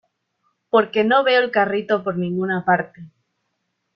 porque no veo el carrito por ninguna parte.